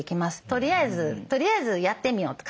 とりあえずとりあえずやってみようと。